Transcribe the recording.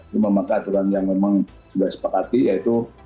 cuma memakai aturan yang memang sudah sepakati yaitu